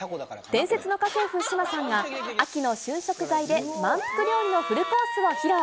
伝説の家政婦、志麻さんが秋の旬食材で満腹料理のフルコースを披露。